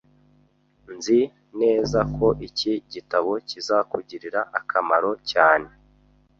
Nzi neza ko iki gitabo kizakugirira akamaro cyane